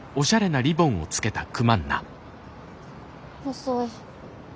遅い。